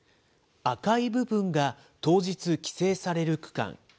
赤い部分が当日規制される区間。